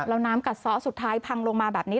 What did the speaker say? แล้วน้ำกัดซ้อสุดท้ายพังลงมาแบบนี้